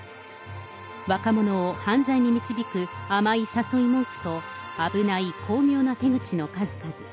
若者を犯罪に導く甘い誘い文句と、危ない巧妙な手口の数々。